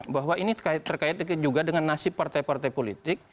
bahwa ini terkait juga dengan nasib partai partai politik